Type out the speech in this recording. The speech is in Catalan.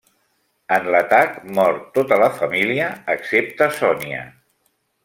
En l'atac mor tota la família excepte Sonia.